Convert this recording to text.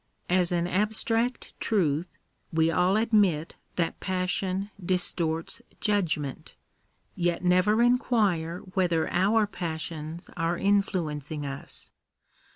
As an abstract truth, we all admit that passion distorts judgment ; yet never inquire whether our passions are influencing us.